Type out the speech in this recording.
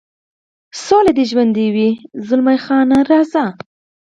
سوله دې ژوندی وي، زلمی خان: راځه.